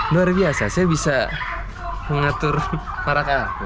luar biasa saya bisa mengatur arah kalkun